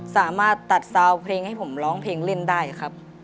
สามารถตัดซาวเพลงให้ผมร้องเพลงเล่นได้ครับ